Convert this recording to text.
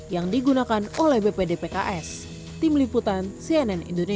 yang digunakan oleh bpdpks tim liputan cnn indonesia